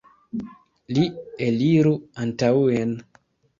Li eliru antaŭen!